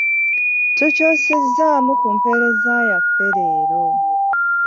Tukyusizaamu ku mpereza yaffe leero.